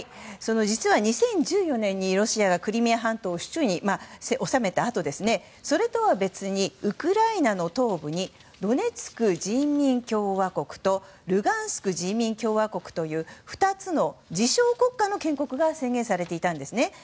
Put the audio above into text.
実は２０１４年にロシアがクリミア半島を手中に収めたあとそれとは別にウクライナの東部にドネツク人民共和国とルガンスク人民共和国という２つの自称国家の建国が宣言されていたんですね。